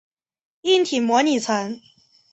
硬体模拟层。